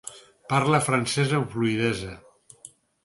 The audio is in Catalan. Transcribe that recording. Parla francès amb fluïdesa.